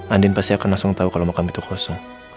andin pasti akan langsung tahu kalau makam itu kosong